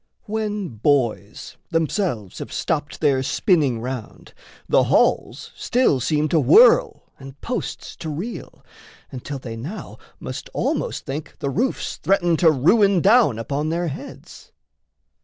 When boys themselves have stopped their spinning round, The halls still seem to whirl and posts to reel, Until they now must almost think the roofs Threaten to ruin down upon their heads.